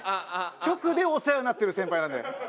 直でお世話になってる先輩なんで。